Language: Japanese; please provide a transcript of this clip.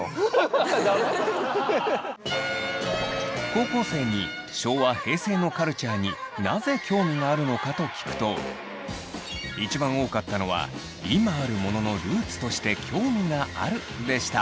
高校生に昭和・平成のカルチャーになぜ興味があるのかと聞くと一番多かったのは「今あるもののルーツとして興味がある」でした。